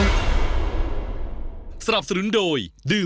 รับสมัครตัวแทนวันนี้